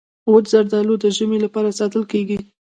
وچ زردالو د ژمي لپاره ساتل کېږي.